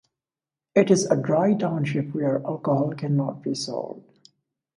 It is a dry township where alcohol cannot be sold.